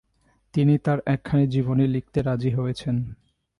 তিনি তাঁর একখানি জীবনী লিখতে রাজী হয়েছেন।